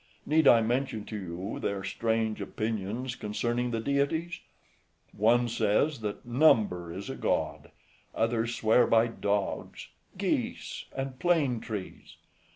Need I mention to you their strange opinions concerning the deities? One says, that number {163c} is a god; others swear by dogs, geese, and plane trees.